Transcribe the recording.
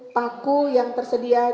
paku yang tersedia